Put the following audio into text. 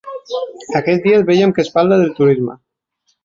Aquests dies veiem que es parla del turisme.